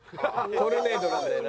トルネードなんだよな。